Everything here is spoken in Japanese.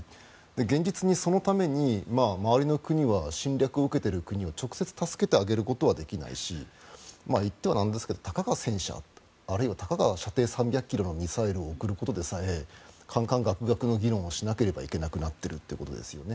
現実にそのために周りの国は侵略を受けている国を直接助けてあげることはできないし言ってはなんですがたかが戦車あるいはたかが射程３００ｋｍのミサイルを送ることでさえ侃侃諤諤の議論をしなければならなくなっているということですよね。